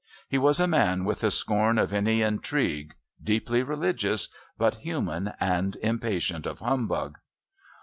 He was a man with a scorn of any intrigue, deeply religious, but human and impatient of humbug.